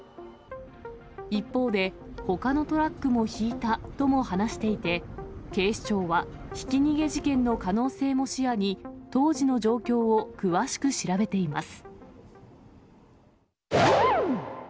一方で、ほかのトラックもひいたとも話していて、警視庁はひき逃げ事件の可能性も視野に、当時の状況を詳しく調べています。